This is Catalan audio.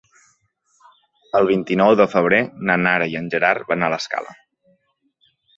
El vint-i-nou de febrer na Nara i en Gerard van a l'Escala.